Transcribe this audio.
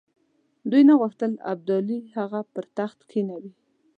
دوی نه غوښتل ابدالي هغه پر تخت کښېنوي.